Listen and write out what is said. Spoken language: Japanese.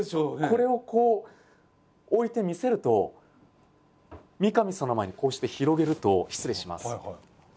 これをこう置いて見せると三上さんの前にこうして広げると失礼します。